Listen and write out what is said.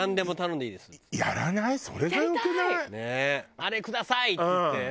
「あれください！」って言ってね。